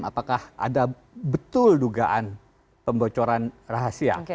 apakah ada betul dugaan pembocoran rahasia